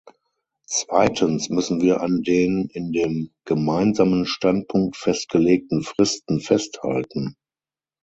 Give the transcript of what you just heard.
Zweitens müssen wir an den in dem Gemeinsamen Standpunkt festgelegten Fristen festhalten.